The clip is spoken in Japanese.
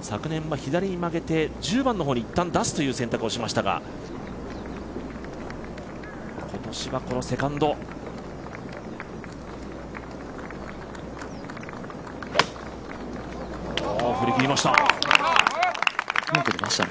昨年は左に曲げて１０番の方にいったん出すという選択をしましたが今年はこのセカンドうまく出ましたね。